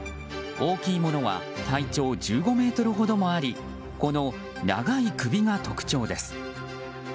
大きいものは体長１５ｍほどもありこの長い首が特徴です。